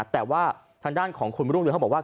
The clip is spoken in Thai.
แต่ว่าทางด้านของคุณรุ่งเรืองเขาบอกว่า